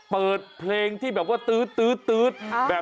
เปิดเพลงที่แบบว่าตื๊ดตื๊ดตื๊ด